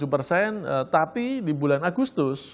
tujuh persen tapi di bulan agustus